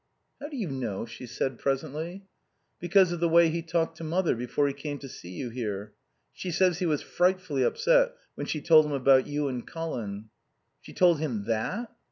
"How do you know?" she said, presently. "Because of the way he talked to mother before he came to see you here. She says he was frightfully upset when she told him about you and Colin." "She told him _that?